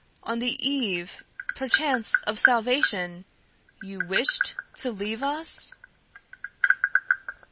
On the eve, perchance, of salvation you wished to leave us?"